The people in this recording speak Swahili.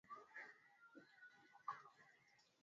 Kusimama kunakoambatana na maumivu ya mgongo